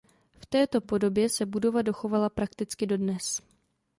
V této podobě se budova dochovala prakticky dodnes.